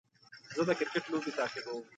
زه د کرکټ لوبې تعقیبوم.